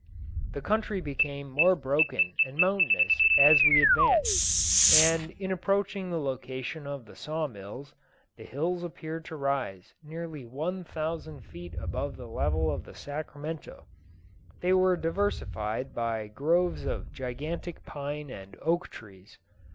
The country became more broken and mountainous as we advanced; and in approaching the location of the saw mills, the hills appeared to rise nearly one thousand feet above the level of the Sacramento. They were diversified by groves of gigantic pine and oak trees.